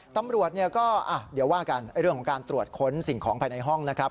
ตำรวจก็เดี๋ยวว่ากันเรื่องของการตรวจค้นสิ่งของภายในห้องนะครับ